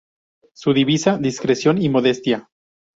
Su divisa: discreción y modestia.